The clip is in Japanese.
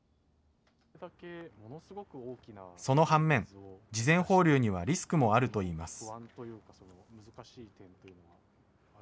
その反面、事前放流にはリスクもあるといいます。